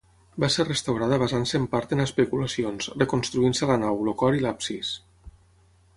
Va ser restaurada basant-se en part en especulacions, reconstruint-se la nau, el cor i l'absis.